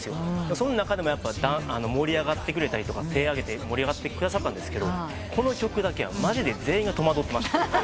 その中でも手を上げて盛り上がってくださったんですがこの曲だけはマジで全員が戸惑ってました。